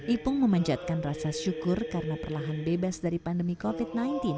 ipung memanjatkan rasa syukur karena perlahan bebas dari pandemi covid sembilan belas